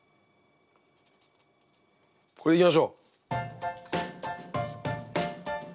これでいきましょう！